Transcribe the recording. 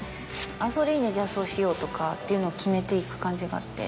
「あっそれいいねじゃあそうしよう」とかっていうのを決めていく感じがあって。